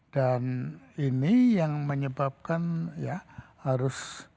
dan ini yang menyebabkan ya harus